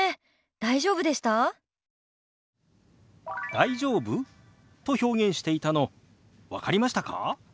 「大丈夫？」と表現していたの分かりましたか？